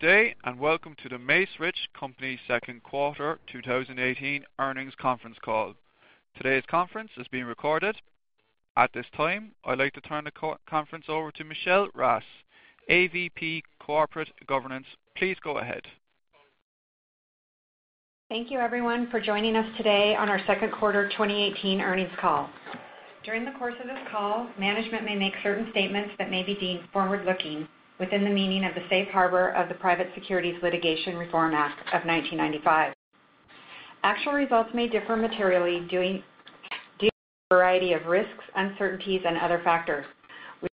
Good day. Welcome to The Macerich Company second quarter 2018 earnings conference call. Today's conference is being recorded. At this time, I'd like to turn the conference over to Michelle Raff, AVP, Corporate Governance. Please go ahead. Thank you everyone for joining us today on our second quarter 2018 earnings call. During the course of this call, management may make certain statements that may be deemed forward-looking within the meaning of the safe harbor of the Private Securities Litigation Reform Act of 1995. Actual results may differ materially due to a variety of risks, uncertainties, and other factors. We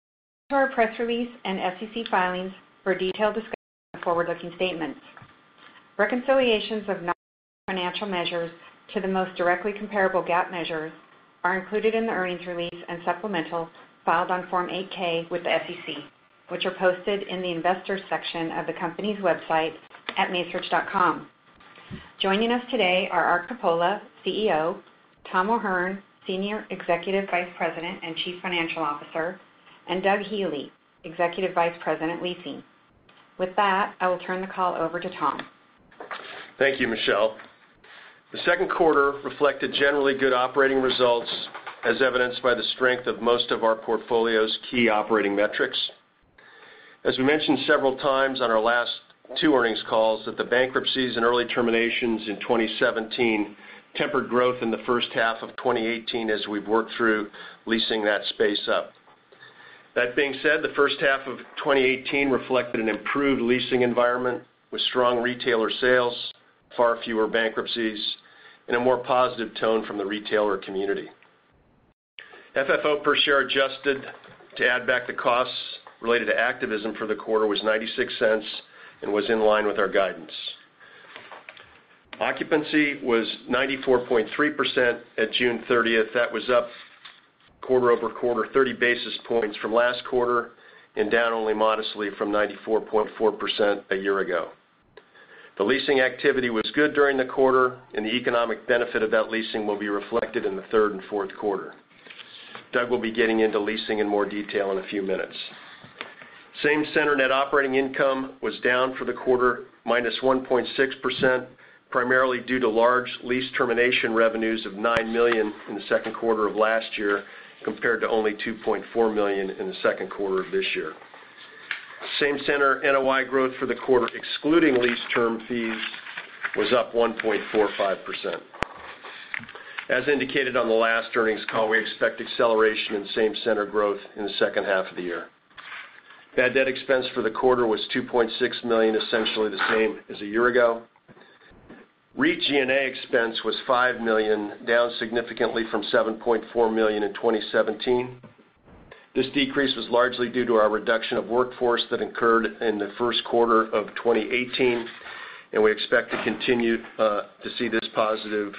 refer you to our press release and SEC filings for a detailed discussion of forward-looking statements. Reconciliations of non-GAAP financial measures to the most directly comparable GAAP measures are included in the earnings release and supplemental filed on Form 8-K with the SEC, which are posted in the investors section of the company's website at macerich.com. Joining us today are Arthur Coppola, CEO; Thomas O'Hern, Senior Executive Vice President and Chief Financial Officer; and Doug Healey, Executive Vice President, Leasing. With that, I will turn the call over to Tom. Thank you, Michelle. The second quarter reflected generally good operating results as evidenced by the strength of most of our portfolio's key operating metrics. As we mentioned several times on our last two earnings calls, that the bankruptcies and early terminations in 2017 tempered growth in the first half of 2018 as we've worked through leasing that space up. That being said, the first half of 2018 reflected an improved leasing environment with strong retailer sales, far fewer bankruptcies, and a more positive tone from the retailer community. FFO per share adjusted to add back the costs related to activism for the quarter was $0.96 and was in line with our guidance. Occupancy was 94.3% at June 30th. That was up quarter-over-quarter, 30 basis points from last quarter, and down only modestly from 94.4% a year ago. The leasing activity was good during the quarter. The economic benefit of that leasing will be reflected in the third and fourth quarter. Doug will be getting into leasing in more detail in a few minutes. Same-center net operating income was down for the quarter -1.6%, primarily due to large lease termination revenues of $9 million in the second quarter of last year, compared to only $2.4 million in the second quarter of this year. Same-center NOI growth for the quarter excluding lease term fees was up 1.45%. As indicated on the last earnings call, we expect acceleration in same-center growth in the second half of the year. Bad debt expense for the quarter was $2.6 million, essentially the same as a year ago. REIT G&A expense was $5 million, down significantly from $7.4 million in 2017. This decrease was largely due to our reduction of workforce that occurred in the first quarter of 2018. We expect to continue to see this positive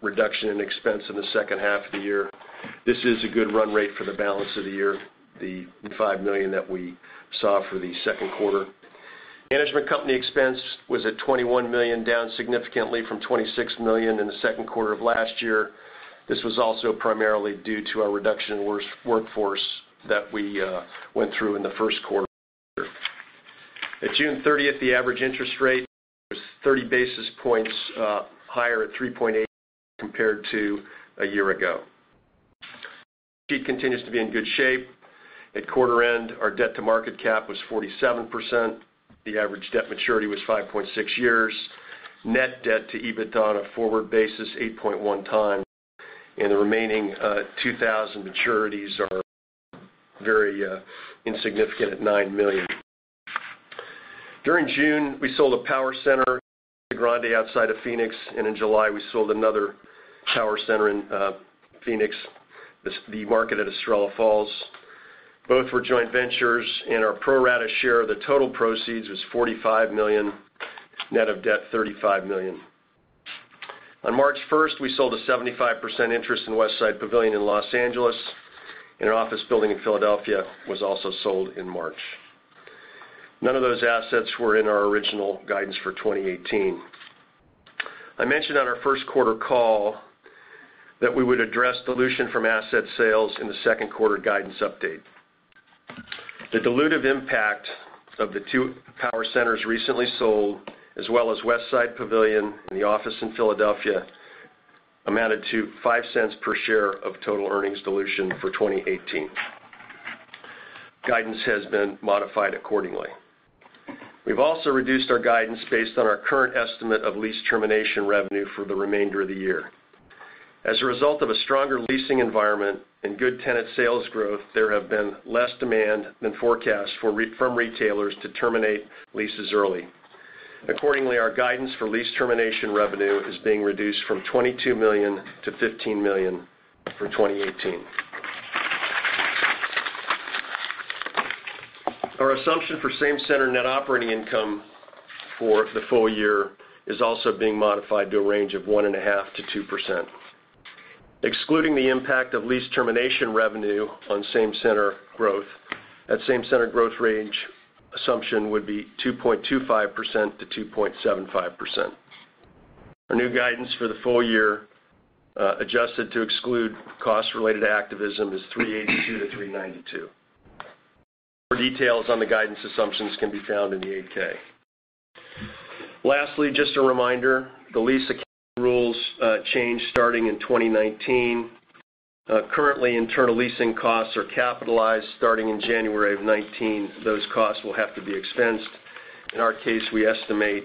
reduction in expense in the second half of the year. This is a good run rate for the balance of the year, the $5 million that we saw for the second quarter. Management company expense was at $21 million, down significantly from $26 million in the second quarter of last year. This was also primarily due to our reduction in workforce that we went through in the first quarter. At June 30th, the average interest rate was 30 basis points higher at 3.8% compared to a year ago. Balance sheet continues to be in good shape. At quarter end, our debt to market cap was 47%. The average debt maturity was 5.6 years. Net debt to EBITDA on a forward basis, 8.1 times. The remaining 2020 maturities are very insignificant at $9 million. During June, we sold a power center, Grande outside of Phoenix. In July, we sold another power center in Phoenix, The Market at Estrella Falls. Both were joint ventures, and our pro rata share of the total proceeds was $45 million, net of debt, $35 million. On March 1st, we sold a 75% interest in Westside Pavilion in L.A. An office building in Philadelphia was also sold in March. None of those assets were in our original guidance for 2018. I mentioned on our first quarter call that we would address dilution from asset sales in the second quarter guidance update. The dilutive impact of the two power centers recently sold, as well as Westside Pavilion and the office in Philadelphia, amounted to $0.05 per share of total earnings dilution for 2018. Guidance has been modified accordingly. We've also reduced our guidance based on our current estimate of lease termination revenue for the remainder of the year. As a result of a stronger leasing environment and good tenant sales growth, there has been less demand than forecast from retailers to terminate leases early. Accordingly, our guidance for lease termination revenue is being reduced from $22 million to $15 million for 2018. Our assumption for same-center net operating income for the full year is also being modified to a range of 1.5%-2%. Excluding the impact of lease termination revenue on same-center growth, that same-center growth range assumption would be 2.25%-2.75%. Our new guidance for the full year, adjusted to exclude costs related to activism, is $3.82-$3.92. More details on the guidance assumptions can be found in the 8-K. Lastly, just a reminder, the lease rules change starting in 2019. Currently, internal leasing costs are capitalized. Starting in January of 2019, those costs will have to be expensed. In our case, we estimate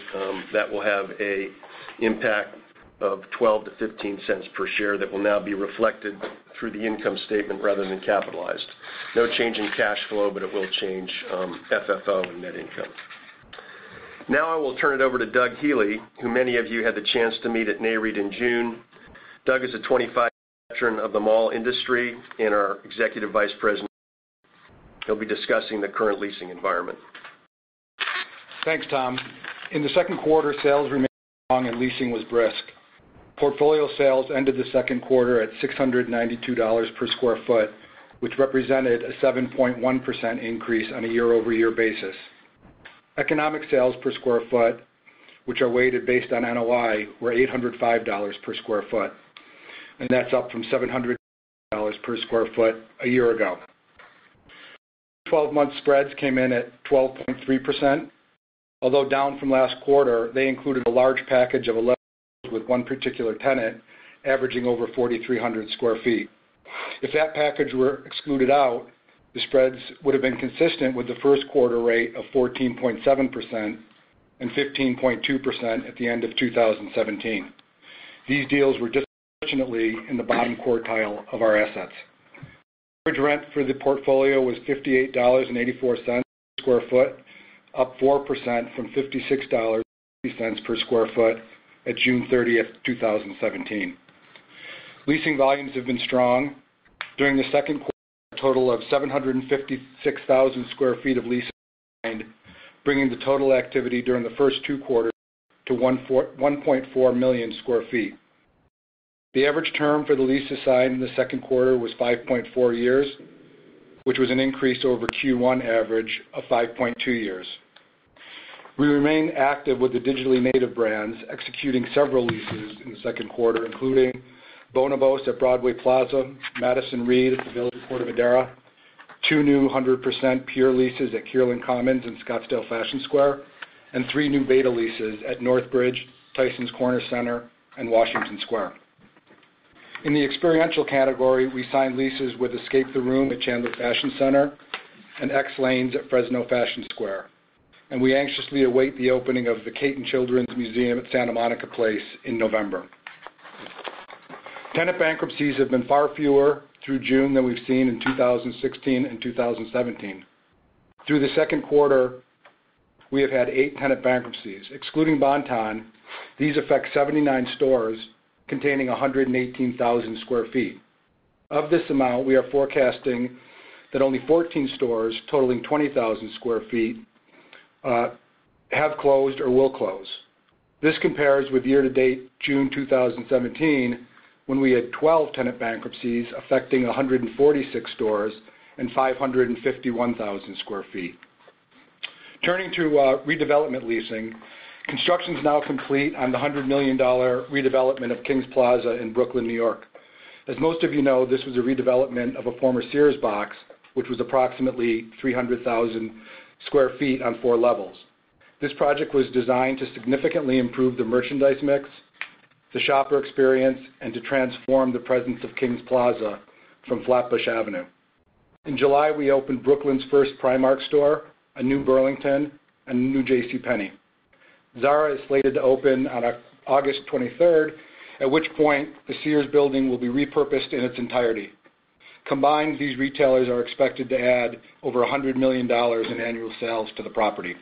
that will have an impact of $0.12-$0.15 per share that will now be reflected through the income statement rather than capitalized. No change in cash flow, but it will change FFO and net income. I will turn it over to Doug Healey, who many of you had the chance to meet at Nareit in June. Doug is a 25-year veteran of the mall industry and our Executive Vice President. He will be discussing the current leasing environment. Thanks, Tom. In the second quarter, sales remained strong and leasing was brisk. Portfolio sales ended the second quarter at $692 per square foot, which represented a 7.1% increase on a year-over-year basis. Economic sales per square foot, which are weighted based on NOI, were $805 per square foot, and that is up from $700 per square foot a year ago. 12-month spreads came in at 12.3%. Although down from last quarter, they included a large package of 11 with one particular tenant averaging over 4,300 square feet. If that package were excluded out, the spreads would have been consistent with the first quarter rate of 14.7% and 15.2% at the end of 2017. These deals were disproportionately in the bottom quartile of our assets. Average rent for the portfolio was $58.84 per square foot, up 4% from $56.80 per square foot at June 30th, 2017. Leasing volumes have been strong. During the second quarter, a total of 756,000 square feet of leases were signed, bringing the total activity during the first two quarters to 1.4 million square feet. The average term for the lease to sign in the second quarter was 5.4 years, which was an increase over Q1 average of 5.2 years. We remain active with the digitally native brands, executing several leases in the second quarter, including Bonobos at Broadway Plaza, Madison Reed at The Village at Corte Madera, two new 100% PURE leases at Kierland Commons in Scottsdale Fashion Square, and three new b8ta leases at Northbridge, Tysons Corner Center, and Washington Square. In the experiential category, we signed leases with Escape The Room at Chandler Fashion Center and XLanes at Fresno Fashion Square, and we anxiously await the opening of the Cayton Children's Museum at Santa Monica Place in November. Tenant bankruptcies have been far fewer through June than we have seen in 2016 and 2017. Through the second quarter, we have had eight tenant bankruptcies. Excluding Bon-Ton, these affect 79 stores containing 118,000 square feet. Of this amount, we are forecasting that only 14 stores, totaling 20,000 square feet, have closed or will close. This compares with year-to-date June 2017, when we had 12 tenant bankruptcies affecting 146 stores and 551,000 square feet. Turning to redevelopment leasing, construction is now complete on the $100 million redevelopment of Kings Plaza in Brooklyn, New York. As most of you know, this was a redevelopment of a former Sears box, which was approximately 300,000 square feet on 4 levels. This project was designed to significantly improve the merchandise mix, the shopper experience, and to transform the presence of Kings Plaza from Flatbush Avenue. In July, we opened Brooklyn's first Primark store, a new Burlington, and a new JCPenney. Zara is slated to open on August 23rd, at which point the Sears building will be repurposed in its entirety. Combined, these retailers are expected to add over $100 million in annual sales to the property.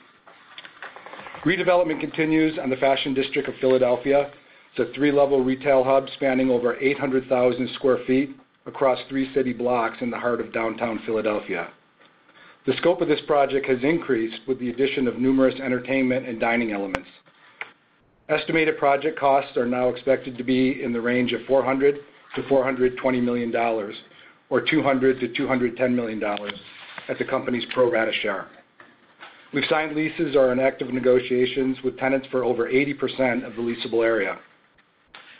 Redevelopment continues on the Fashion District of Philadelphia. It's a three-level retail hub spanning over 800,000 sq ft across three city blocks in the heart of downtown Philadelphia. The scope of this project has increased with the addition of numerous entertainment and dining elements. Estimated project costs are now expected to be in the range of $400 million-$420 million, or $200 million-$210 million at the company's pro rata share. We've signed leases or are in active negotiations with tenants for over 80% of the leasable area.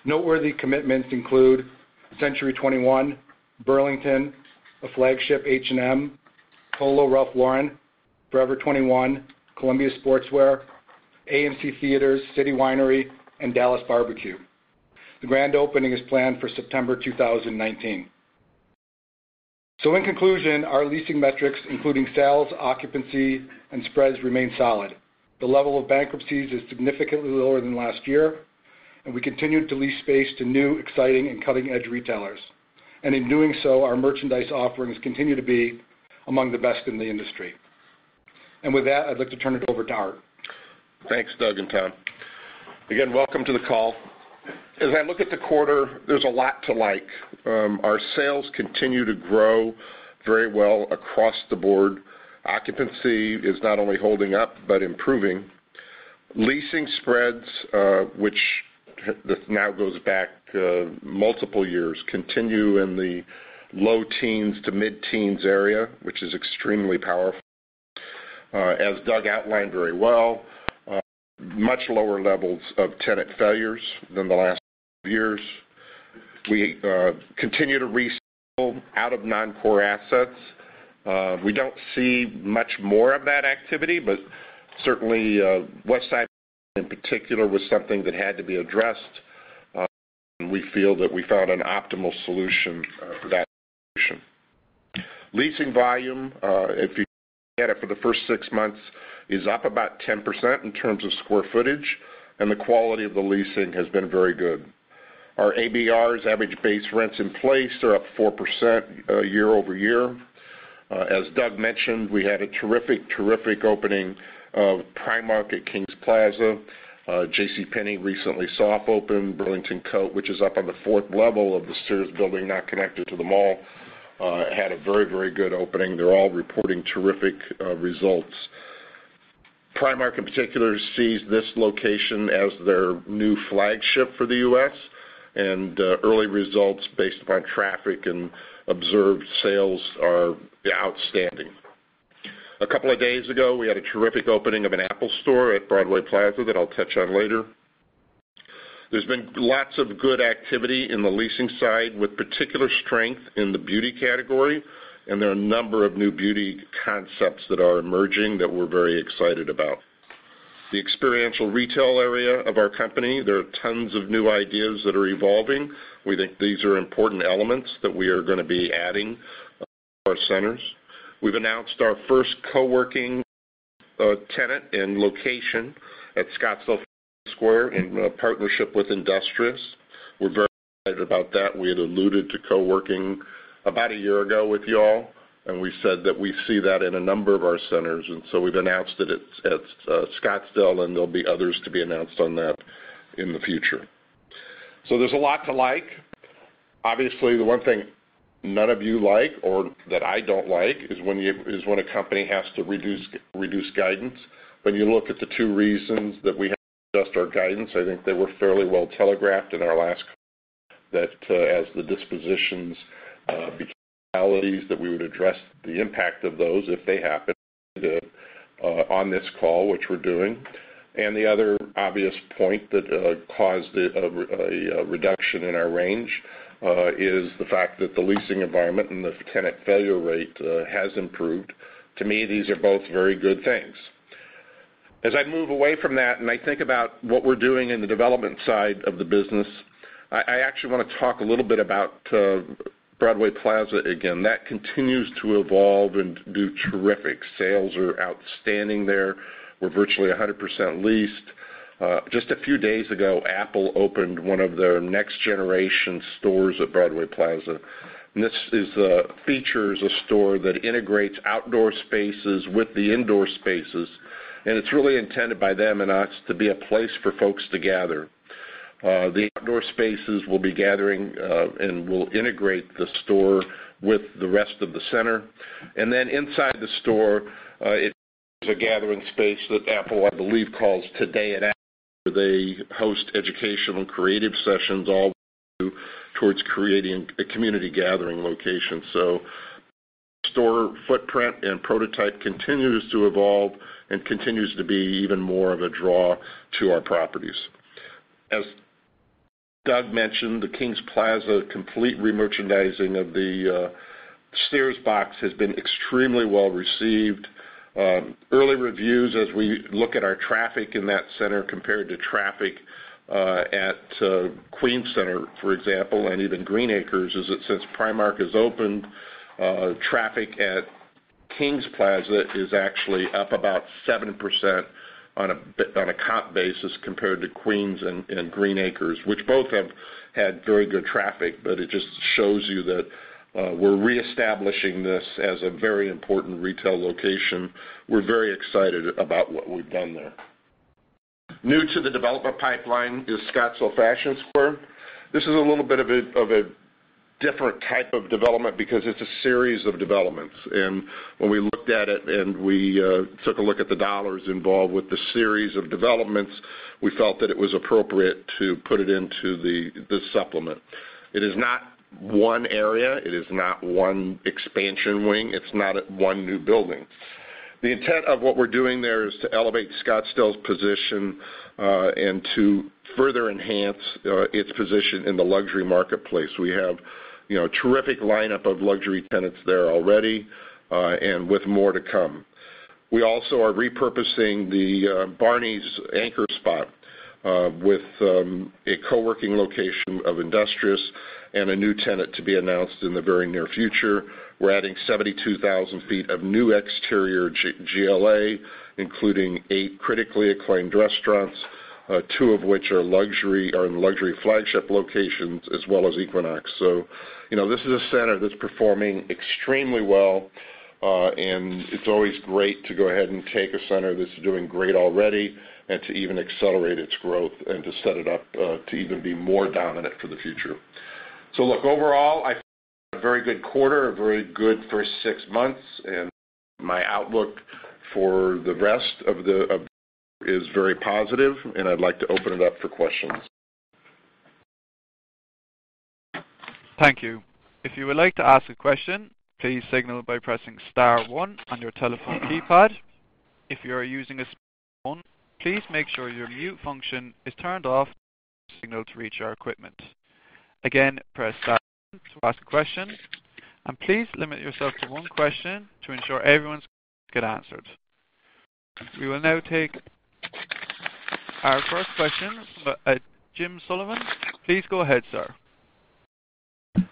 Noteworthy commitments include Century 21, Burlington, a flagship H&M, Polo Ralph Lauren, Forever 21, Columbia Sportswear, AMC Theatres, City Winery, and Dallas BBQ. The grand opening is planned for September 2019. In conclusion, our leasing metrics, including sales, occupancy, and spreads, remain solid. The level of bankruptcies is significantly lower than last year, and we continued to lease space to new, exciting, and cutting-edge retailers. In doing so, our merchandise offerings continue to be among the best in the industry. With that, I'd like to turn it over to Art. Thanks, Doug and Tom. Again, welcome to the call. As I look at the quarter, there's a lot to like. Our sales continue to grow very well across the board. Occupancy is not only holding up but improving. Leasing spreads, which this now goes back multiple years, continue in the low teens to mid-teens area, which is extremely powerful. As Doug outlined very well, much lower levels of tenant failures than the last few years. We continue to resale out of non-core assets. We don't see much more of that activity, but certainly Westside Pavilion in particular was something that had to be addressed, and we feel that we found an optimal solution for that situation. Leasing volume, if you look at it for the first six months, is up about 10% in terms of square footage, and the quality of the leasing has been very good. Our ABRs, average base rents in place, are up 4% year-over-year. As Doug mentioned, we had a terrific opening of Primark at Kings Plaza. JCPenney recently soft opened. Burlington Coat, which is up on the fourth level of the Sears building, not connected to the mall, had a very good opening. They're all reporting terrific results. Primark, in particular, sees this location as their new flagship for the U.S., early results based upon traffic and observed sales are outstanding. A couple of days ago, we had a terrific opening of an Apple store at Broadway Plaza that I'll touch on later. There's been lots of good activity in the leasing side, with particular strength in the beauty category, there are a number of new beauty concepts that are emerging that we're very excited about. The experiential retail area of our company, there are tons of new ideas that are evolving. We think these are important elements that we are going to be adding to our centers. We've announced our first co-working tenant and location at Scottsdale Fashion Square in partnership with Industrious. We're very excited about that. We had alluded to co-working about a year ago with you all, we said that we see that in a number of our centers, we've announced that it's at Scottsdale, there'll be others to be announced on that in the future. There's a lot to like. Obviously, the one thing none of you like or that I don't like is when a company has to reduce guidance. When you look at the two reasons that we had to adjust our guidance, I think they were fairly well telegraphed in our last call, that as the dispositions became realities, that we would address the impact of those if they happened on this call, which we're doing. The other obvious point that caused a reduction in our range is the fact that the leasing environment and the tenant failure rate has improved. To me, these are both very good things. As I move away from that and I think about what we're doing in the development side of the business, I actually want to talk a little bit about Broadway Plaza again. That continues to evolve and do terrific. Sales are outstanding there. We're virtually 100% leased. Just a few days ago, Apple opened one of their next-generation stores at Broadway Plaza. This features a store that integrates outdoor spaces with the indoor spaces, it's really intended by them and us to be a place for folks to gather. The outdoor spaces will be gathering and will integrate the store with the rest of the center. Inside the store, it features a gathering space that Apple, I believe, calls Today at Apple, where they host educational, creative sessions all meant towards creating a community gathering location. The Apple store footprint and prototype continues to evolve and continues to be even more of a draw to our properties. As Doug mentioned, the Kings Plaza complete remerchandising of the Sears box has been extremely well received. Early reviews as we look at our traffic in that center compared to traffic at Queens Center, for example, and even Green Acres, is that since Primark has opened, traffic at Kings Plaza is actually up about 7% on a comp basis compared to Queens and Green Acres, which both have had very good traffic, it just shows you that we're reestablishing this as a very important retail location. We're very excited about what we've done there. New to the developer pipeline is Scottsdale Fashion Square. This is a little bit of a different type of development because it's a series of developments. When we looked at it and we took a look at the dollars involved with the series of developments, we felt that it was appropriate to put it into the supplement. It is not one area. It is not one expansion wing. It's not one new building. The intent of what we're doing there is to elevate Scottsdale's position and to further enhance its position in the luxury marketplace. We have a terrific lineup of luxury tenants there already, and with more to come. We also are repurposing the Barneys anchor spot with a co-working location of Industrious and a new tenant to be announced in the very near future. We're adding 72,000 sq ft of new exterior GLA, including eight critically acclaimed restaurants, two of which are luxury flagship locations as well as Equinox. This is a center that's performing extremely well, and it's always great to go ahead and take a center that's doing great already and to even accelerate its growth and to set it up to even be more dominant for the future. Look, overall, I think we had a very good quarter, a very good first six months, and my outlook for the rest of the year is very positive, and I'd like to open it up for questions. Thank you. If you would like to ask a question, please signal by pressing star one on your telephone keypad. If you are using a smartphone, please make sure your mute function is turned off for your signal to reach our equipment. Again, press star one to ask a question, and please limit yourself to one question to ensure everyone's questions get answered. We will now take our first question from Jim Sullivan. Please go ahead, sir.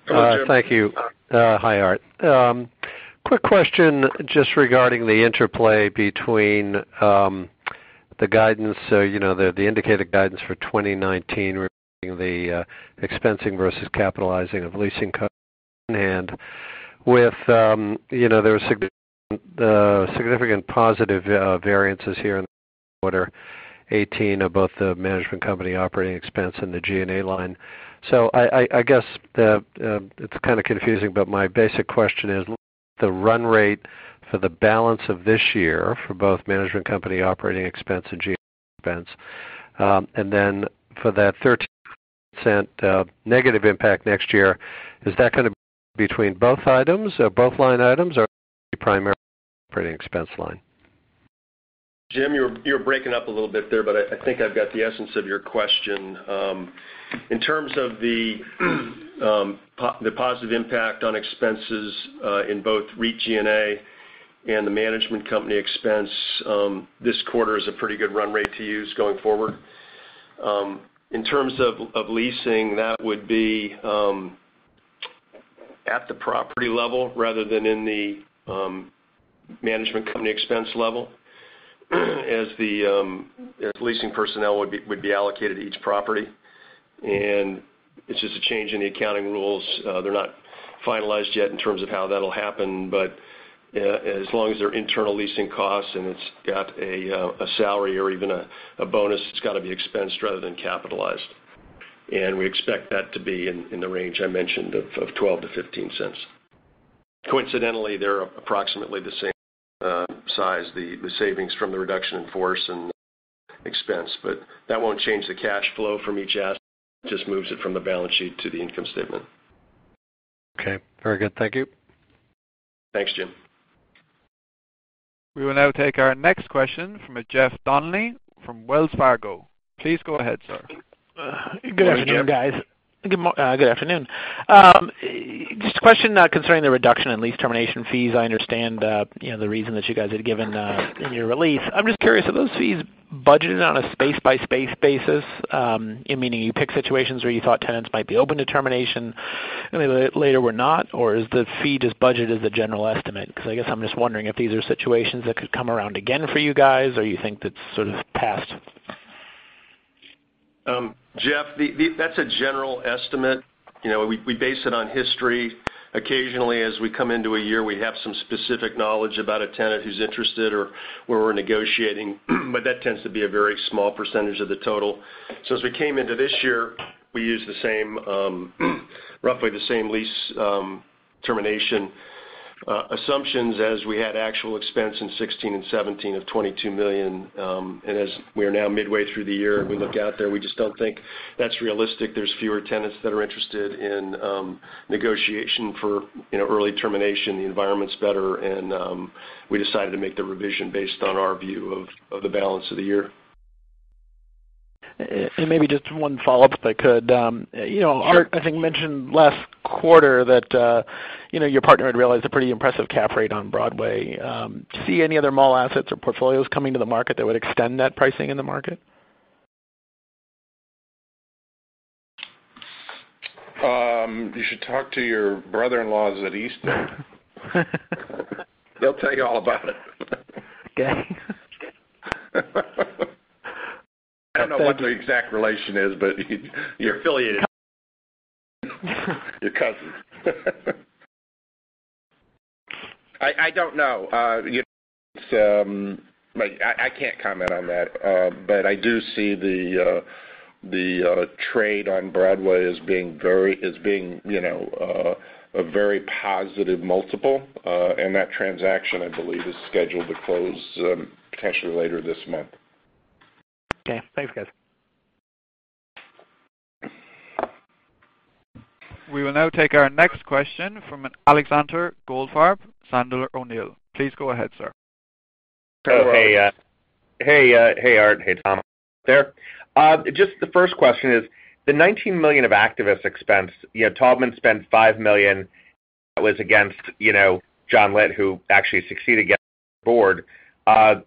Hello, Jim. Thank you. Hi, Art. Quick question just regarding the interplay between the indicated guidance for 2019 regarding the expensing versus capitalizing of leasing costs on hand with there are significant positive variances here in the second quarter 2018 of both the management company operating expense and the G&A line. I guess it's kind of confusing, but my basic question is, what's the run rate for the balance of this year for both management company operating expense and G&A expense? Then for that $0.13 negative impact next year, is that going to be between both line items, or is it primarily the operating expense line? Jim, you're breaking up a little bit there, but I think I've got the essence of your question. In terms of the positive impact on expenses in both REIT G&A and the management company expense, this quarter is a pretty good run rate to use going forward. In terms of leasing, that would be at the property level rather than in the management company expense level, as the leasing personnel would be allocated each property. It's just a change in the accounting rules. They're not finalized yet in terms of how that'll happen, but as long as they're internal leasing costs and it's got a salary or even a bonus, it's got to be expensed rather than capitalized. We expect that to be in the range I mentioned of $0.12 to $0.15. Coincidentally, they're approximately the same size, the savings from the reduction in force and expense. That won't change the cash flow from each asset. It just moves it from the balance sheet to the income statement. Okay. Very good. Thank you. Thanks, Jim. We will now take our next question from Jeff Donnelly from Wells Fargo. Please go ahead, sir. Go ahead, Jeff. Good afternoon, guys. Good afternoon. Just a question concerning the reduction in lease termination fees. I understand the reason that you guys had given in your release. I'm just curious, are those fees budgeted on a space-by-space basis? Meaning, you pick situations where you thought tenants might be open to termination, and then later were not, or is the fee just budgeted as a general estimate? I guess I'm just wondering if these are situations that could come around again for you guys, or you think that's sort of past? Jeff, that's a general estimate. We base it on history. Occasionally, as we come into a year, we have some specific knowledge about a tenant who's interested or where we're negotiating, but that tends to be a very small percentage of the total. As we came into this year, we used roughly the same lease termination assumptions as we had actual expense in 2016 and 2017 of $22 million. As we are now midway through the year and we look out there, we just don't think that's realistic. There's fewer tenants that are interested in negotiation for early termination. The environment's better. We decided to make the revision based on our view of the balance of the year. Maybe just one follow-up, if I could. Sure. Art, I think, mentioned last quarter that your partner had realized a pretty impressive cap rate on Broadway. Do you see any other mall assets or portfolios coming to the market that would extend that pricing in the market? You should talk to your brother-in-laws at Eastdil. They'll tell you all about it. Okay. I don't know what the exact relation is, but you're affiliated. Cousin. You're cousins. I don't know. I can't comment on that. I do see the trade on Broadway as being a very positive multiple. That transaction, I believe, is scheduled to close potentially later this month. Okay. Thanks, guys. We will now take our next question from Alexander Goldfarb, Sandler O'Neill. Please go ahead, sir. Go ahead, Alex. Hey, Art. Hey, Tom. I hope you're out there. The first question is, the $19 million of activist expense. Taubman spent $5 million. That was against Jonathan Litt, who actually succeeded against the board. There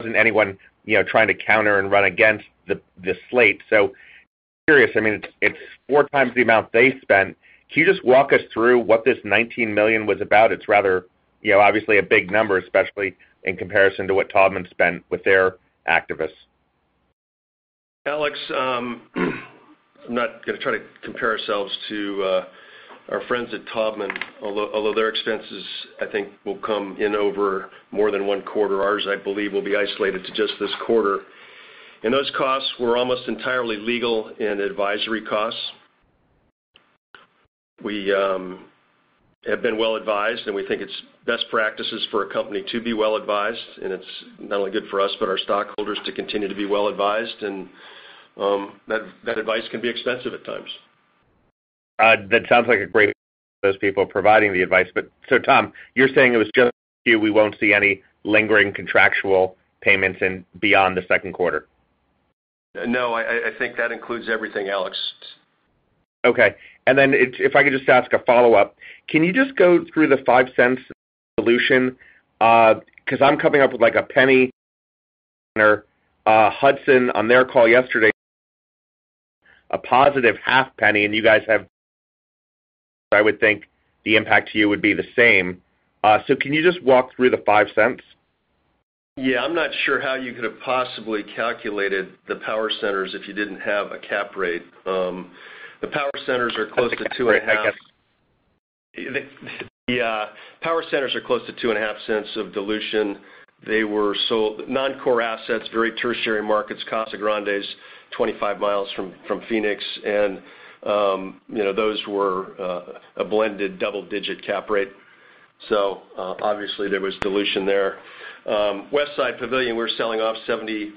wasn't anyone trying to counter and run against the slate. Curious, it's four times the amount they spent. Can you just walk us through what this $19 million was about? It's obviously a big number, especially in comparison to what Taubman spent with their activists. Alex, I'm not going to try to compare ourselves to our friends at Taubman, although their expenses, I think, will come in over more than one quarter. Ours, I believe, will be isolated to just this quarter. Those costs were almost entirely legal and advisory costs. We have been well-advised, and we think it's best practices for a company to be well-advised. It's not only good for us, but our stockholders to continue to be well-advised, and that advice can be expensive at times. That sounds like those people providing the advice. Tom, you're saying it was just you, we won't see any lingering contractual payments beyond the second quarter? No, I think that includes everything, Alex. Okay. Then if I could just ask a follow-up. Can you just go through the $0.05 dilution? Because I'm coming up with, like, a $0.01 Hudson, on their call yesterday, a positive $0.005, and you guys have I would think the impact to you would be the same. Can you just walk through the $0.05? Yeah. I'm not sure how you could have possibly calculated the power centers if you didn't have a cap rate. The power centers are close to two and a half- I guess- The power centers are close to $0.025 of dilution. They were sold non-core assets, very tertiary markets, Casa Grande's 25 miles from Phoenix, and those were a blended double-digit cap rate. Obviously there was dilution there. Westside Pavilion, we're selling off 75%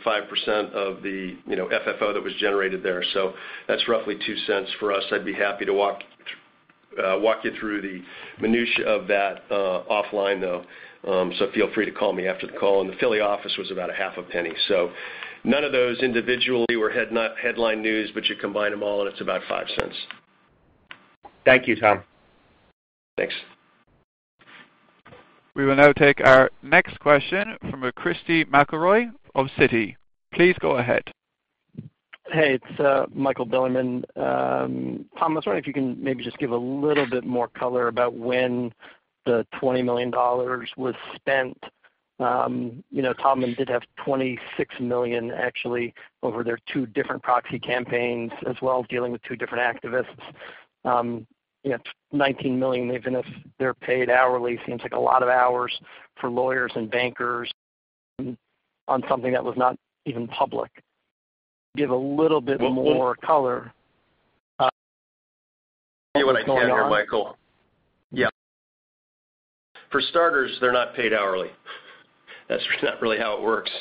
of the FFO that was generated there. That's roughly $0.02 for us. I'd be happy to walk you through the minutia of that offline, though. Feel free to call me after the call. The Philly office was about $0.005, none of those individually were headline news, but you combine them all and it's about $0.05. Thank you, Tom. Thanks. We will now take our next question from Christy McElroy of Citi. Please go ahead. Hey, it's Michael Bilerman. Tom, I was wondering if you can maybe just give a little bit more color about when the $20 million was spent. Taubman did have $26 million actually over their two different proxy campaigns, as well dealing with two different activists. $19 million, even if they're paid hourly, seems like a lot of hours for lawyers and bankers on something that was not even public. Give a little bit more color. Let me see what I've got here, Michael. Yeah. For starters, they're not paid hourly. That's not really how it works.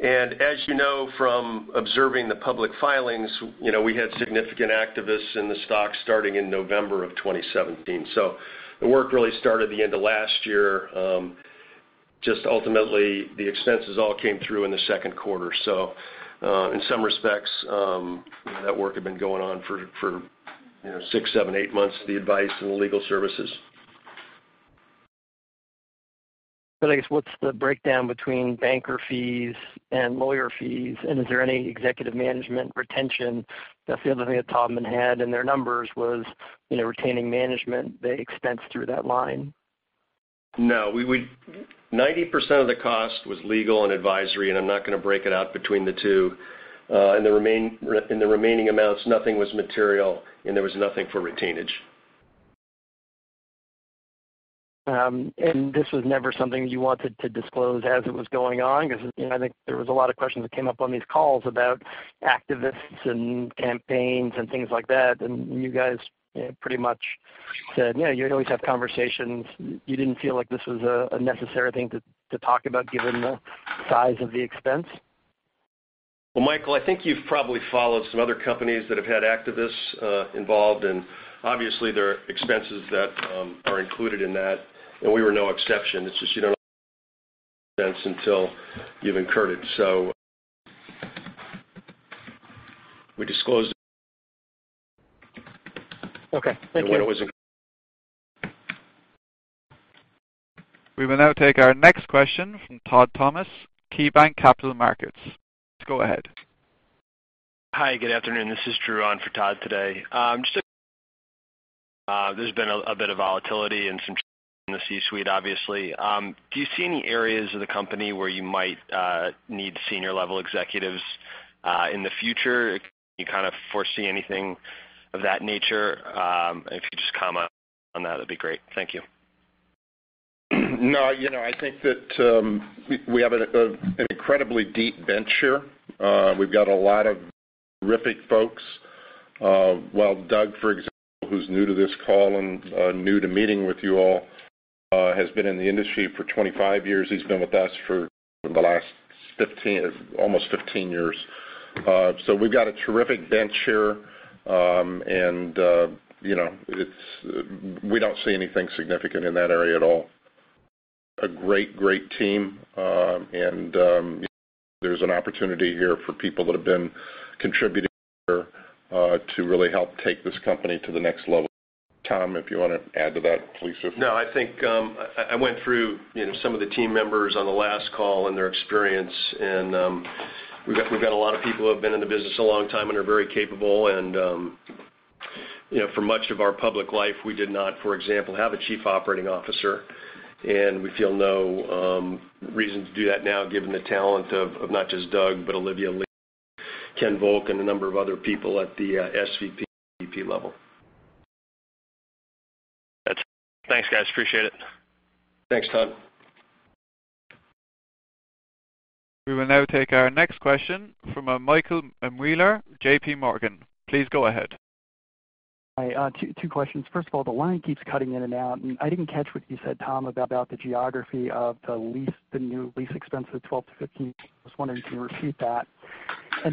As you know from observing the public filings, we had significant activists in the stock starting in November of 2017. The work really started the end of last year. Just ultimately, the expenses all came through in the second quarter. In some respects, that work had been going on for six, seven, eight months, the advice and the legal services. I guess, what's the breakdown between banker fees and lawyer fees, is there any executive management retention? That's the other thing that Taubman had in their numbers was retaining management. They expensed through that line. No. 90% of the cost was legal and advisory. I'm not going to break it out between the two. In the remaining amounts, nothing was material, there was nothing for retainage. This was never something you wanted to disclose as it was going on? Because I think there was a lot of questions that came up on these calls about activists and campaigns and things like that, and you guys pretty much said, you'd always have conversations. You didn't feel like this was a necessary thing to talk about given the size of the expense? Michael, I think you've probably followed some other companies that have had activists involved, and obviously there are expenses that are included in that, and we were no exception. It's just you don't expense until you've incurred it. We disclosed Okay. Thank you. When it was We will now take our next question from Todd Thomas, KeyBanc Capital Markets. Go ahead. Hi, good afternoon. This is Drew on for Todd today. There's been a bit of volatility and some in the C-suite, obviously. Do you see any areas of the company where you might need senior level executives in the future? You kind of foresee anything of that nature? If you could just comment on that'd be great. Thank you. I think that we have an incredibly deep bench here. We've got a lot of terrific folks. Well, Doug, for example, who's new to this call and new to meeting with you all, has been in the industry for 25 years. He's been with us for the last almost 15 years. We've got a terrific bench here. We don't see anything significant in that area at all. A great team. There's an opportunity here for people that have been contributing here to really help take this company to the next level. Tom, if you want to add to that, please do. No, I think I went through some of the team members on the last call and their experience, we've got a lot of people who have been in the business a long time and are very capable. For much of our public life, we did not, for example, have a chief operating officer, we feel no reason to do that now given the talent of not just Doug, but Olivia Li, Ken Volk, and a number of other people at the SVP level. That's it. Thanks, guys. Appreciate it. Thanks, Todd. We will now take our next question from Michael Mueller, JPMorgan. Please go ahead. Hi, two questions. First of all, the line keeps cutting in and out. I didn't catch what you said, Tom, about the geography of the new lease expense of the 12-15. I was wondering if you can repeat that.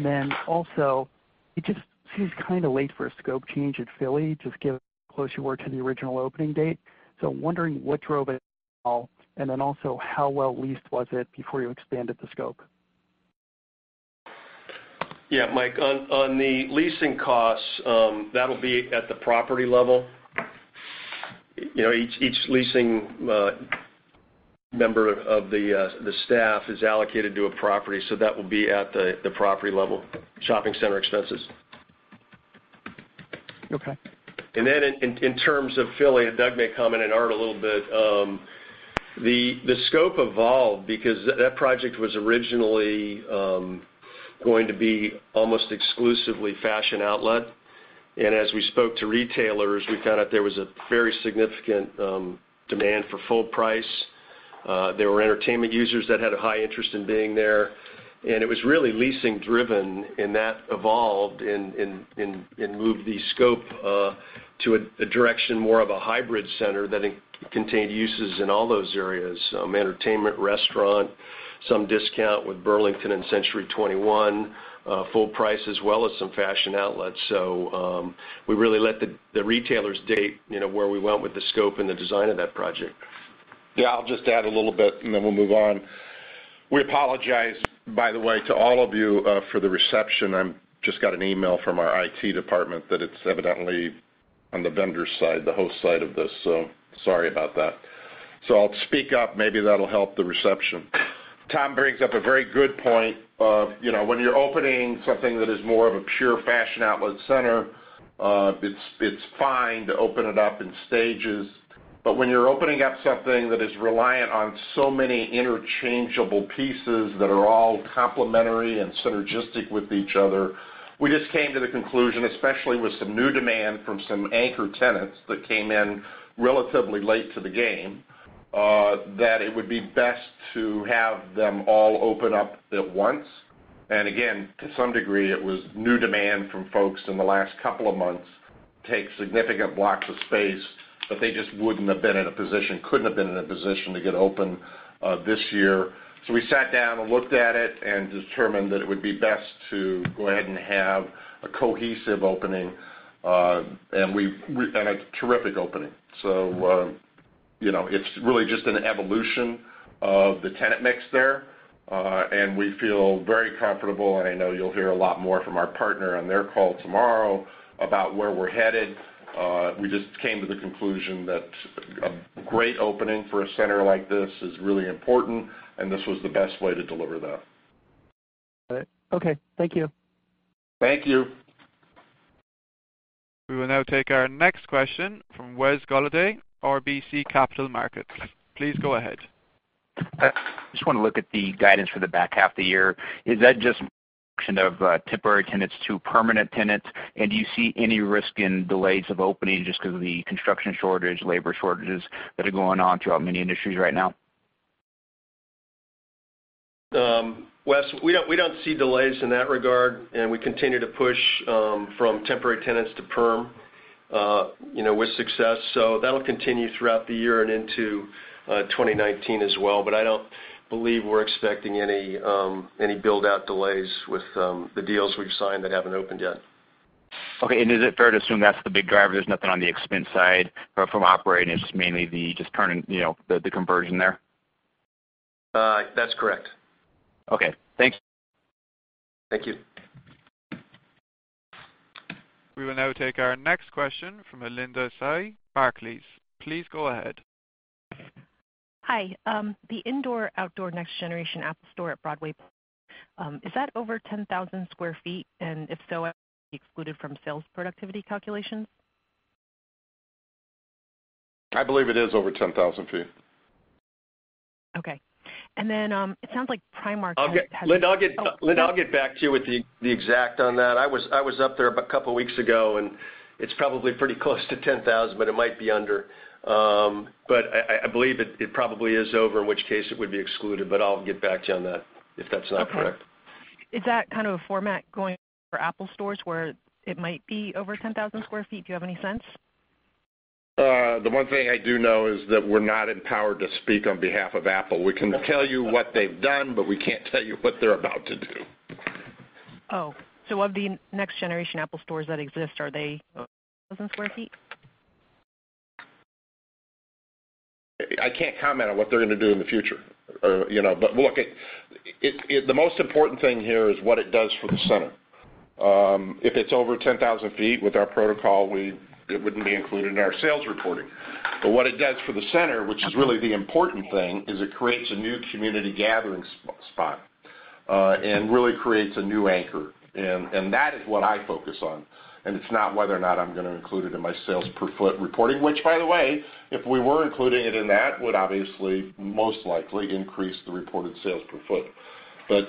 Then also, it just seems kind of late for a scope change at Philly, just given how close you were to the original opening date. Wondering what drove it all, and then also, how well-leased was it before you expanded the scope? Yeah, Mike, on the leasing costs, that'll be at the property level. Each leasing member of the staff is allocated to a property, so that will be at the property level, shopping center expenses. Okay. In terms of Philly, Doug may comment and Art a little bit, the scope evolved because that project was originally going to be almost exclusively fashion outlet. As we spoke to retailers, we found out there was a very significant demand for full price. There were entertainment users that had a high interest in being there, it was really leasing driven and that evolved and moved the scope to a direction more of a hybrid center that contained uses in all those areas, entertainment, restaurant, some discount with Burlington and Century 21, full price as well as some fashion outlets. We really let the retailers dictate where we went with the scope and the design of that project. Yeah, I'll just add a little bit, then we'll move on. We apologize, by the way, to all of you for the reception. I just got an email from our IT department that it's evidently on the vendor's side, the host side of this. Sorry about that. I'll speak up. Maybe that'll help the reception. Tom brings up a very good point of when you're opening something that is more of a pure fashion outlet center, it's fine to open it up in stages. When you're opening up something that is reliant on so many interchangeable pieces that are all complementary and synergistic with each other, we just came to the conclusion, especially with some new demand from some anchor tenants that came in relatively late to the game, that it would be best to have them all open up at once. Again, to some degree, it was new demand from folks in the last couple of months to take significant blocks of space, they just wouldn't have been in a position, couldn't have been in a position to get open this year. We sat down and looked at it and determined that it would be best to go ahead and have a cohesive opening, and we've had a terrific opening. It's really just an evolution of the tenant mix there. We feel very comfortable, I know you'll hear a lot more from our partner on their call tomorrow about where we're headed. We just came to the conclusion that a great opening for a center like this is really important, and this was the best way to deliver that. Got it. Okay. Thank you. Thank you. We will now take our next question from Wes Golladay, RBC Capital Markets. Please go ahead. I just want to look at the guidance for the back half of the year. Is that just a function of temporary tenants to permanent tenants? Do you see any risk in delays of opening just because of the construction shortage, labor shortages that are going on throughout many industries right now? Wes, we don't see delays in that regard, we continue to push from temporary tenants to perm with success. That'll continue throughout the year and into 2019 as well. I don't believe we're expecting any build-out delays with the deals we've signed that haven't opened yet. Okay. Is it fair to assume that's the big driver, there's nothing on the expense side from operating, it's mainly just the conversion there? That's correct. Okay. Thank you. Thank you. We will now take our next question from Linda Tsai, Barclays. Please go ahead. Hi. The indoor-outdoor next generation Apple Store at Broadway Plaza, is that over 10,000 sq ft? If so, would it be excluded from sales productivity calculations? I believe it is over 10,000 ft. Okay. Then, it sounds like Primark has. Linda, I'll get back to you with the exact on that. I was up there about a couple of weeks ago, it's probably pretty close to 10,000, but it might be under. I believe it probably is over, in which case it would be excluded, but I'll get back to you on that if that's not correct. Okay. Is that kind of a format going forward for Apple stores, where it might be over 10,000 sq ft? Do you have any sense? The one thing I do know is that we're not empowered to speak on behalf of Apple. We can tell you what they've done, but we can't tell you what they're about to do. Of the next generation Apple Stores that exist, are they over 10,000 square feet? I can't comment on what they're going to do in the future. Look, the most important thing here is what it does for the center. If it's over 10,000 feet with our protocol, it wouldn't be included in our sales reporting. What it does for the center, which is really the important thing, is it creates a new community gathering spot, and really creates a new anchor. That is what I focus on. It's not whether or not I'm going to include it in my sales per foot reporting, which by the way, if we were including it in that, would obviously most likely increase the reported sales per foot. Look,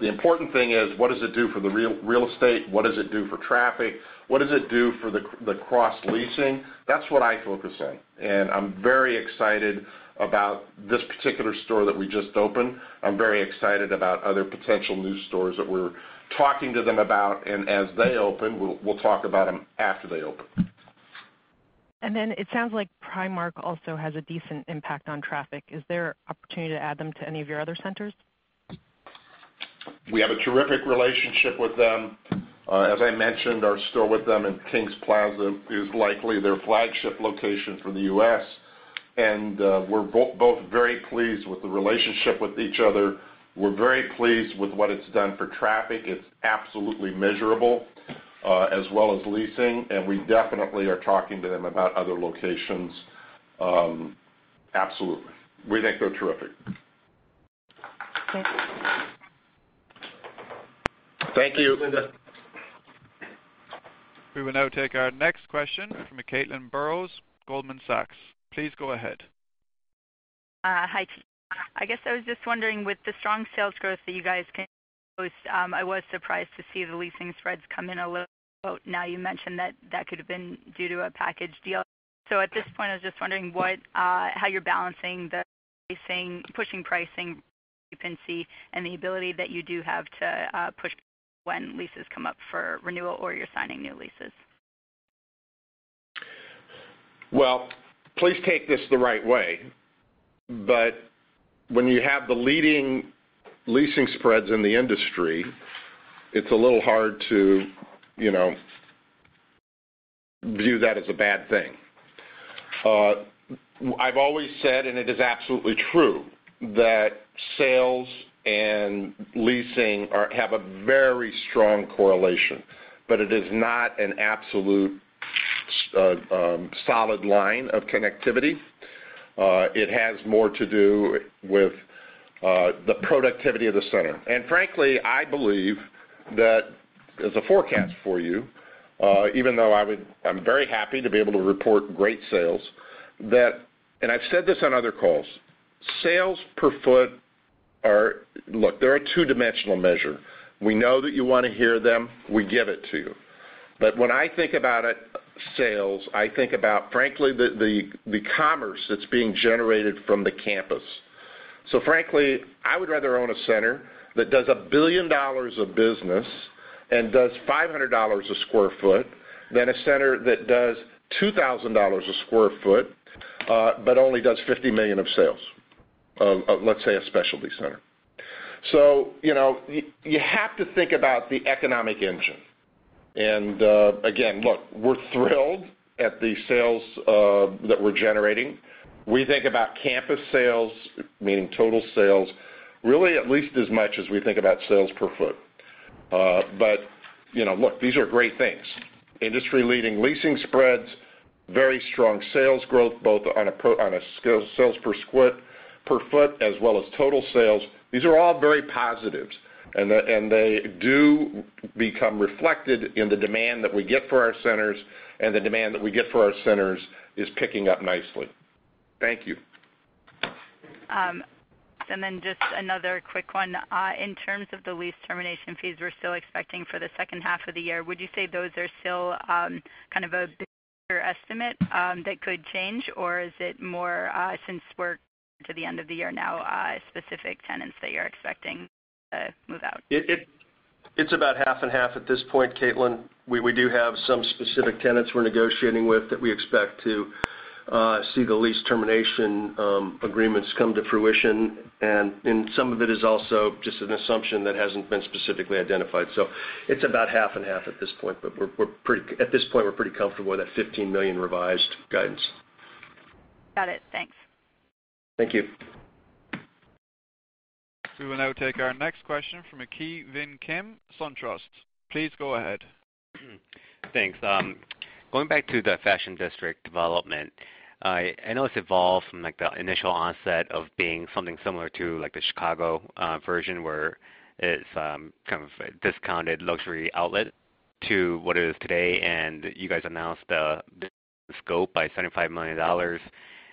the important thing is what does it do for the real estate? What does it do for traffic? What does it do for the cross leasing? That's what I focus on, and I'm very excited about this particular store that we just opened. I'm very excited about other potential new stores that we're talking to them about, and as they open, we'll talk about them after they open. It sounds like Primark also has a decent impact on traffic. Is there opportunity to add them to any of your other centers? We have a terrific relationship with them. As I mentioned, our store with them in Kings Plaza is likely their flagship location for the U.S., and we're both very pleased with the relationship with each other. We're very pleased with what it's done for traffic. It's absolutely measurable, as well as leasing, and we definitely are talking to them about other locations. Absolutely. We think they're terrific. Thank you. Thank you. Thanks, Linda. We will now take our next question from Caitlin Burrows, Goldman Sachs. Please go ahead. Hi team. I guess I was just wondering, with the strong sales growth that you guys can post, I was surprised to see the leasing spreads come in a little low. You mentioned that that could have been due to a package deal. At this point, I was just wondering how you're balancing the pushing pricing you can see and the ability that you do have to push when leases come up for renewal or you're signing new leases. Well, please take this the right way, when you have the leading leasing spreads in the industry, it's a little hard to view that as a bad thing. I've always said, and it is absolutely true, that sales and leasing have a very strong correlation, but it is not an absolute solid line of connectivity. It has more to do with the productivity of the center. Frankly, I believe that as a forecast for you, even though I'm very happy to be able to report great sales. I've said this on other calls. Sales per foot are Look, they're a two-dimensional measure. We know that you want to hear them. We give it to you. When I think about sales, I think about, frankly, the commerce that's being generated from the campus. Frankly, I would rather own a center that does $1 billion of business and does $500 a square foot than a center that does $2,000 a square foot, but only does $50 million of sales of, let's say, a specialty center. You have to think about the economic engine. Again, look, we're thrilled at the sales that we're generating. We think about campus sales, meaning total sales, really at least as much as we think about sales per foot. Look, these are great things. Industry leading leasing spreads, very strong sales growth, both on a sales per foot as well as total sales. These are all very positives, and they do become reflected in the demand that we get for our centers, and the demand that we get for our centers is picking up nicely. Thank you. Just another quick one. In terms of the lease termination fees we're still expecting for the second half of the year, would you say those are still kind of a bigger estimate that could change? Or is it more, since we're to the end of the year now, specific tenants that you're expecting to move out? It's about half and half at this point, Caitlin. We do have some specific tenants we're negotiating with that we expect to see the lease termination agreements come to fruition, and some of it is also just an assumption that hasn't been specifically identified. It's about half and half at this point, but at this point, we're pretty comfortable with that $15 million revised guidance. Got it. Thanks. Thank you. We will now take our next question from Ki Bin Kim, SunTrust. Please go ahead. Thanks. Going back to the Fashion District development, I know it's evolved from the initial onset of being something similar to the Chicago version, where it's kind of a discounted luxury outlet to what it is today, and you guys announced the scope by $75 million.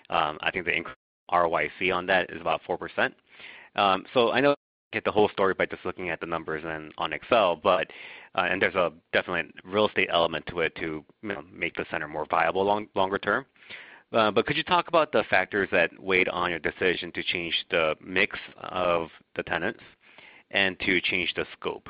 I think the increase ROIC on that is about 4%. I know get the whole story by just looking at the numbers on Excel, and there's a definitely real estate element to it to make the center more viable longer term. Could you talk about the factors that weighed on your decision to change the mix of the tenants and to change the scope?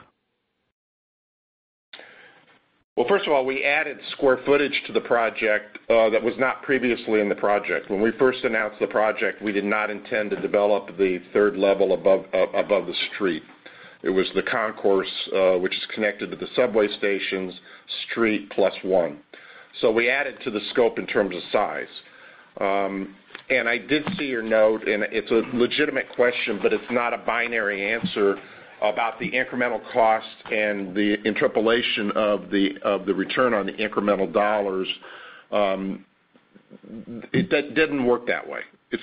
Well, first of all, we added square footage to the project that was not previously in the project. When we first announced the project, we did not intend to develop the third level above the street. It was the concourse, which is connected to the subway stations, street plus one. We added to the scope in terms of size. I did see your note, and it's a legitimate question, but it's not a binary answer about the incremental cost and the interpolation of the return on the incremental dollars. It didn't work that way.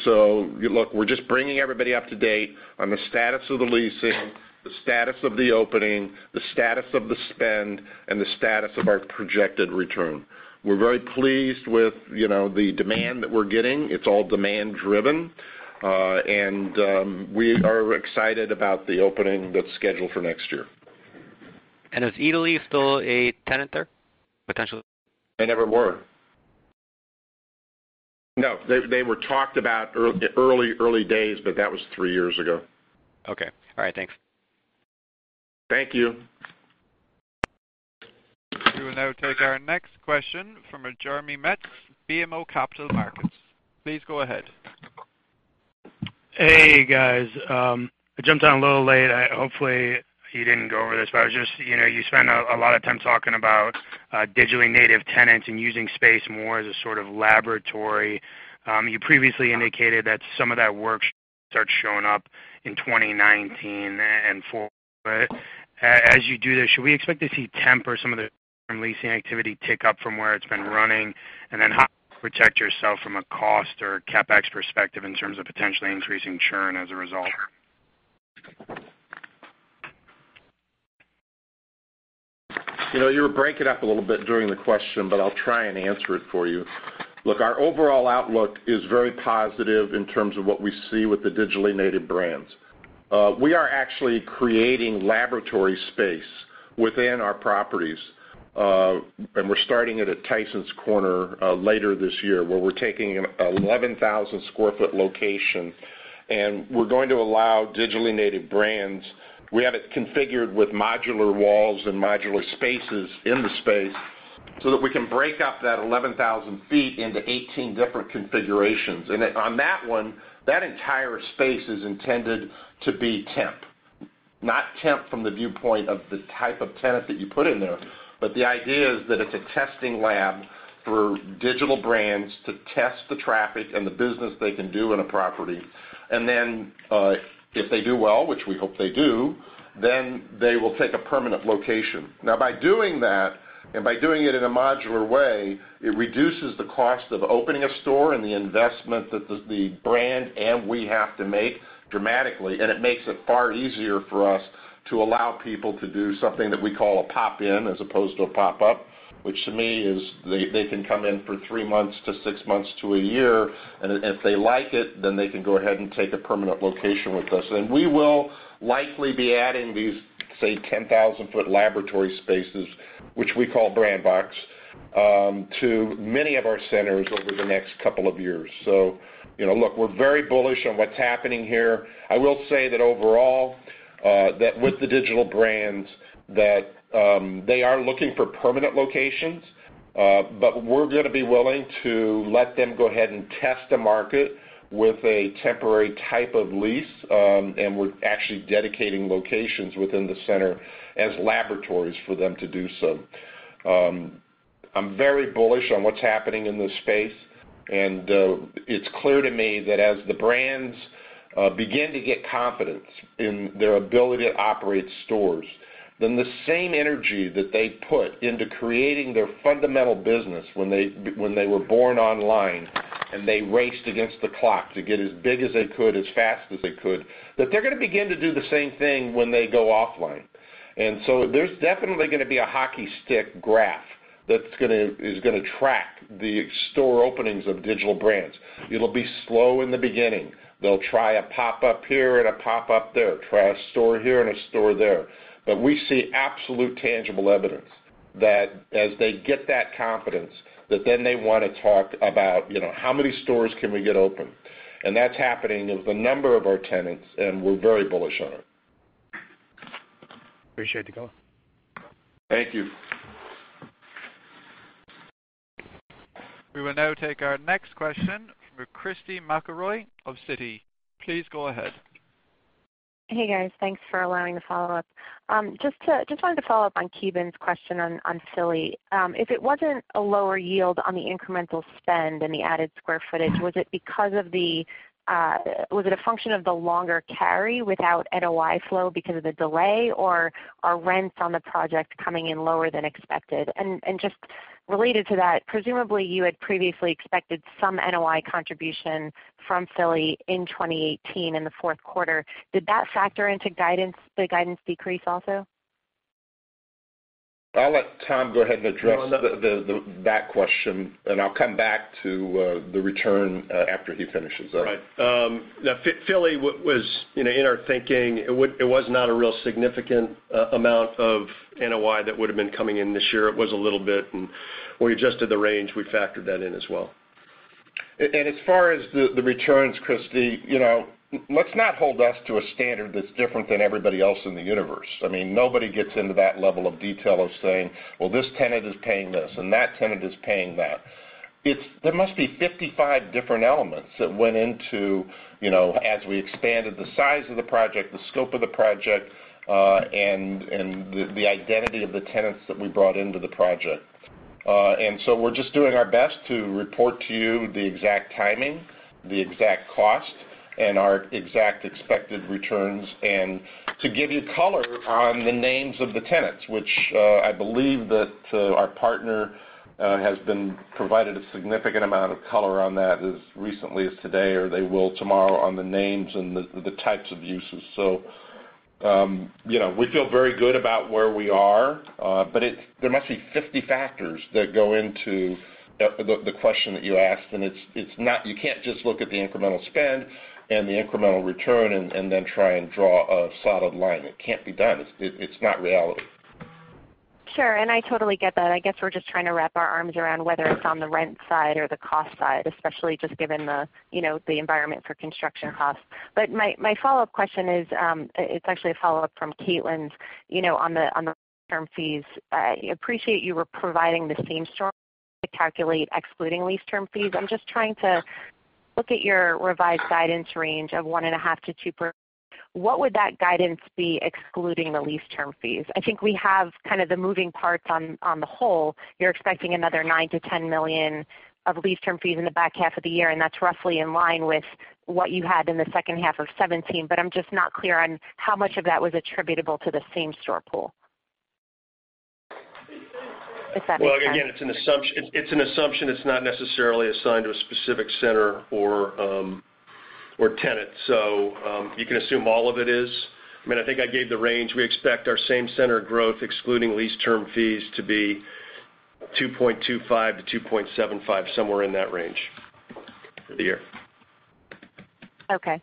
Look, we're just bringing everybody up to date on the status of the leasing, the status of the opening, the status of the spend, and the status of our projected return. We're very pleased with the demand that we're getting. It's all demand driven. We are excited about the opening that's scheduled for next year. Is Eataly still a tenant there potentially? They never were. No, they were talked about early days, but that was three years ago. Okay. All right, thanks. Thank you. We will now take our next question from Jeremy Metz, BMO Capital Markets. Please go ahead. Hey, guys. I jumped on a little late. Hopefully you didn't go over this. You spent a lot of time talking about digitally native tenants and using space more as a sort of laboratory. You previously indicated that some of that work should start showing up in 2019 and forward. As you do this, should we expect to see temp or some of the leasing activity tick up from where it's been running? How do you protect yourself from a cost or CapEx perspective in terms of potentially increasing churn as a result? You were breaking up a little bit during the question. I'll try and answer it for you. Look, our overall outlook is very positive in terms of what we see with the digitally native brands. We are actually creating laboratory space within our properties. We're starting it at Tysons Corner later this year, where we're taking an 11,000 square foot location. We're going to allow digitally native brands. We have it configured with modular walls and modular spaces in the space so that we can break up that 11,000 feet into 18 different configurations. On that one, that entire space is intended to be temp. Not temp from the viewpoint of the type of tenant that you put in there. The idea is that it's a testing lab for digital brands to test the traffic and the business they can do in a property. If they do well, which we hope they do, they will take a permanent location. By doing that, by doing it in a modular way, it reduces the cost of opening a store and the investment that the brand and we have to make dramatically. It makes it far easier for us to allow people to do something that we call a pop-in as opposed to a pop-up. Which to me is they can come in for three months to six months to a year. If they like it, they can go ahead and take a permanent location with us. We will likely be adding these, say, 10,000-foot laboratory spaces, which we call BrandBox, to many of our centers over the next couple of years. Look, we're very bullish on what's happening here. I will say that overall, that with the digital brands, that they are looking for permanent locations. We're going to be willing to let them go ahead and test the market with a temporary type of lease. We're actually dedicating locations within the center as laboratories for them to do so. I'm very bullish on what's happening in this space, and it's clear to me that as the brands begin to get confidence in their ability to operate stores, then the same energy that they put into creating their fundamental business when they were born online, and they raced against the clock to get as big as they could as fast as they could, that they're going to begin to do the same thing when they go offline. There's definitely going to be a hockey stick graph that is going to track the store openings of digital brands. It'll be slow in the beginning. They'll try a pop-up here and a pop-up there, try a store here and a store there. We see absolute tangible evidence that as they get that confidence, that then they want to talk about, how many stores can we get open? That's happening with a number of our tenants, and we're very bullish on it. Appreciate the call. Thank you. We will now take our next question from Christy McElroy of Citi. Please go ahead. Hey, guys. Thanks for allowing the follow-up. Just wanted to follow up on Ki Bin's question on Philly. If it wasn't a lower yield on the incremental spend and the added square footage, was it a function of the longer carry without NOI flow because of the delay, or are rents on the project coming in lower than expected? Just related to that, presumably you had previously expected some NOI contribution from Philly in 2018 in the fourth quarter. Did that factor into the guidance decrease also? I'll let Tom go ahead and address that question, and I'll come back to the return after he finishes. Right. Philly was in our thinking. It was not a real significant amount of NOI that would've been coming in this year. It was a little bit, and when I adjusted the range, we factored that in as well. As far as the returns, Christy, let's not hold us to a standard that's different than everybody else in the universe. Nobody gets into that level of detail of saying, "Well, this tenant is paying this, and that tenant is paying that." There must be 55 different elements that went into as we expanded the size of the project, the scope of the project, and the identity of the tenants that we brought into the project. We're just doing our best to report to you the exact timing, the exact cost, and our exact expected returns. To give you color on the names of the tenants, which I believe that our partner has been provided a significant amount of color on that as recently as today, or they will tomorrow on the names and the types of uses. We feel very good about where we are. There must be 50 factors that go into the question that you asked, and you can't just look at the incremental spend and the incremental return and then try and draw a solid line. It can't be done. It's not reality. Sure. I totally get that. I guess we're just trying to wrap our arms around whether it's on the rent side or the cost side, especially just given the environment for construction costs. My follow-up question is, it's actually a follow-up from Caitlin's on the term fees. I appreciate you were providing the same store to calculate excluding lease term fees. I'm just trying to look at your revised guidance range of 1.5%-2%. What would that guidance be excluding the lease term fees? I think we have kind of the moving parts on the whole. You're expecting another $9 million-$10 million of lease term fees in the back half of the year, and that's roughly in line with what you had in the second half of 2017. I'm just not clear on how much of that was attributable to the same-store pool. If that makes sense. Well, again, it's an assumption. It's not necessarily assigned to a specific center or tenant. You can assume all of it is. I think I gave the range. We expect our same-center growth excluding lease term fees to be 2.25%-2.75%, somewhere in that range for the year. Okay.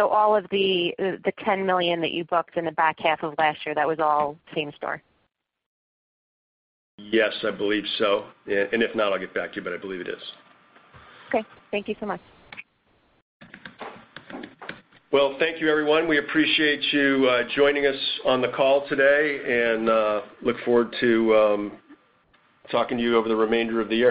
All of the $10 million that you booked in the back half of last year, that was all same-store? Yes, I believe so. If not, I'll get back to you, but I believe it is. Okay. Thank you so much. Well, thank you everyone. We appreciate you joining us on the call today, and look forward to talking to you over the remainder of the year